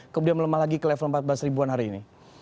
kemudian melemah lagi ke level empat belas ribuan hari ini